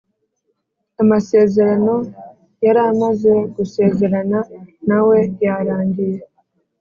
amasezerano yaramaze gusezerana nawe yarangiye